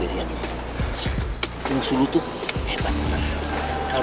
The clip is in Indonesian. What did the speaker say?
udah di situ balikin